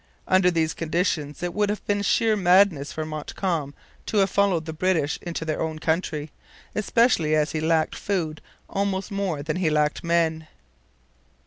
Under these conditions it would have been sheer madness for Montcalm to have followed the British into their own country, especially as he lacked food almost more than he lacked men.